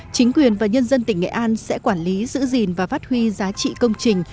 chính quyền và nhân dân tỉnh nghệ an sẽ quản lý giữ gìn và phát huy giá trị công trình